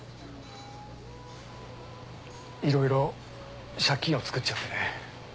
いろいろ借金を作っちゃってね。